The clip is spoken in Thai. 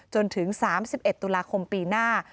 จนถึง๓๑ตุลาคมปีหน้า